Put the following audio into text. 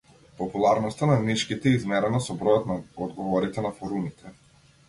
Популарноста на нишките е измерена со бројот на одговорите на форумите.